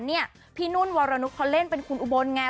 พี่นุ่นวรนุษเขาเล่นเป็นคุณอุบลไง